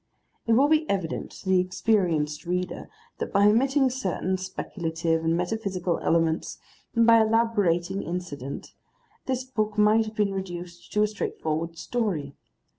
It will be evident to the experienced reader that by omitting certain speculative and metaphysical elements and by elaborating incident, this book might have been reduced to a straightforward story.